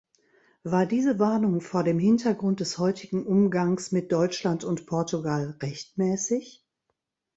War diese Warnung vor dem Hintergrund des heutigen Umgangs mit Deutschland und Portugal rechtmäßig?